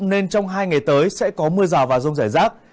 nên trong hai ngày tới sẽ có mưa rào và rông rải rác